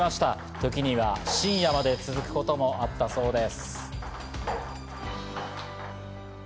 時には深夜まで続くこともあったそうです。